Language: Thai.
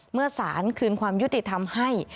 เมื่อสารคืนความยุติธรรมให้